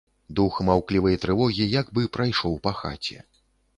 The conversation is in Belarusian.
Дух маўклівай трывогі як бы прайшоў па хаце.